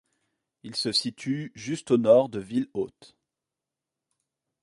Il se situe juste au nord de Ville-Haute.